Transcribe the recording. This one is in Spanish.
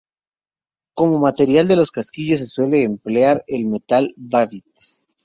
Como material de los casquillos se suele emplear el metal Babbitt.